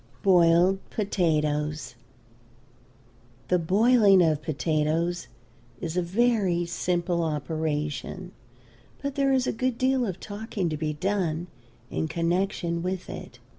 BOILED POTATOES. The boiling of potatoes is a very simple operation, but there is a good deal of talking to be done in connection with it.